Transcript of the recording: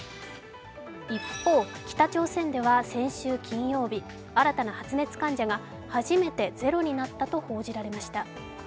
一方、北朝鮮では先週金曜日、新たな発熱患者が初めてゼロになったと報じられました。